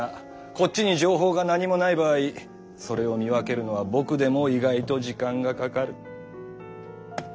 こっちに情報が何もない場合それを見分けるのは僕でも意外と時間がかかる。